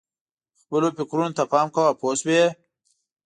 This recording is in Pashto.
خپلو فکرونو ته پام کوه پوه شوې!.